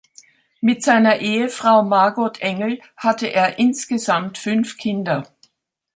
Mit seiner Ehefrau Margot Engel hatte er insgesamt fünf Kinder.